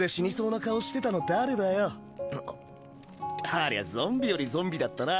ありゃゾンビよりゾンビだったな。